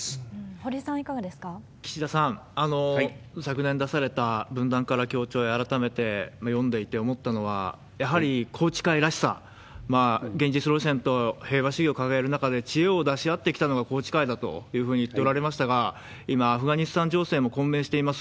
堀さん、岸田さん、昨年出された、分断からきょう、読んでいて改めて思ったのは、やはり宏池会らしさ、現実路線と平和主義について、宏池会だというふうに言っておられましたが、今、アフガニスタン情勢も混迷しています。